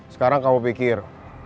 sekarang kamu pikir